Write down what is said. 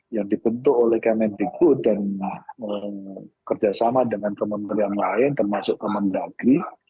yang dibentuk oleh kmtku dan kerjasama dengan kementerian lain termasuk kementerian negeri